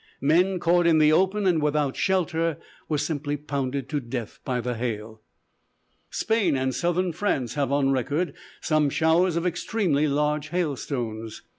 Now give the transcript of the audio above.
Men caught in the open and without shelter, were simply pounded to death by the hail." Spain and southern France have on record some showers of extremely large hailstones.